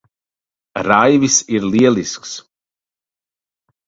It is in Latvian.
Raivis ir lielisks.